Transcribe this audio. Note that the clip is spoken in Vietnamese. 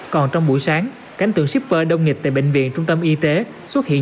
còn trong buổi sáng cánh tượng shipper đông nghịch tại bệnh viện trung tâm y tế xuất hiện